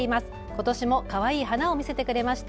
今年もかわいい花を見せてくれました。